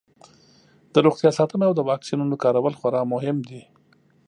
د روغتیا ساتنه او د واکسینونو کارول خورا مهم دي.